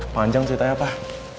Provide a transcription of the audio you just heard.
panjang ceritanya pak